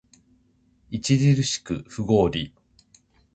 著しく不合理